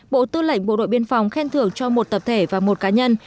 bộ tư lệnh bộ đội biên phòng khen thưởng cho một tập thể và một cá nhân